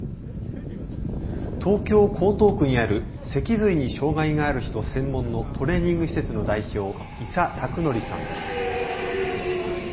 東京江東区にある脊髄に障害がある人専門のトレーニング施設の代表、伊佐拓哲さんです。